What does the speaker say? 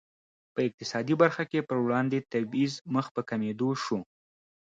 په اقتصادي برخه کې پر وړاندې تبعیض مخ په کمېدو شو.